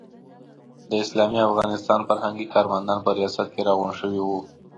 د اسلامي افغانستان فرهنګي کارمندان په ریاست کې راغونډ شوي وو.